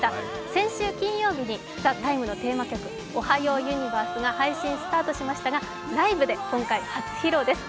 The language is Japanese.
先週金曜日に「ＴＨＥＴＩＭＥ，」のテーマ曲、「おはようユニバース」が配信スタートしましたが、ライブで今回初披露です。